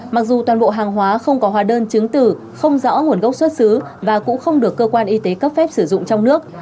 mặc dù toàn bộ hàng hóa không có hóa đơn chứng tử không rõ nguồn gốc xuất xứ và cũng không được cơ quan y tế cấp phép sử dụng trong nước